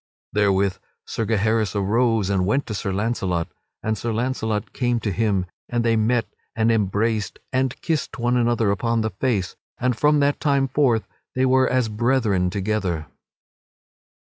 Therewith Sir Gaheris arose, and went to Sir Launcelot, and Sir Launcelot came to him and they met and embraced and kissed one another upon the face; and from that time forth they were as brethren together.